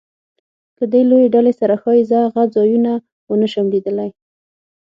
له دې لویې ډلې سره ښایي زه هغه ځایونه ونه شم لیدلی.